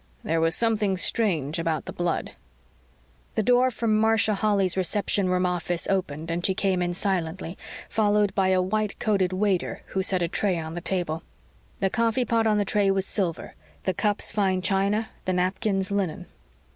There was something strange about the blood " The door from Marcia Holly's reception room office opened and she came in silently, followed by a white coated waiter who set a tray on the table. The coffeepot on the tray was silver; the cups, fine china; the napkins, linen.